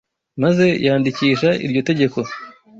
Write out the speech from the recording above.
maze yandikisha iryo tegeko